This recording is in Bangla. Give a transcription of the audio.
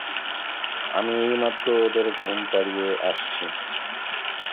আমি এইমাত্র ওদের ঘুম পাড়িয়ে আসছি।